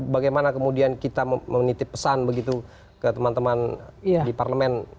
bagaimana kemudian kita menitip pesan begitu ke teman teman di parlemen